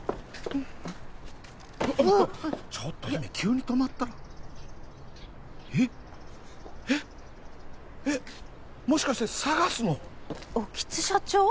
うあっちょっと姫急に止まったらえっえっえっもしかしてＳＡＧＡＳの興津社長？